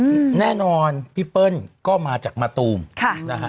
อืมแน่นอนพี่เปิ้ลก็มาจากมะตูมค่ะนะฮะ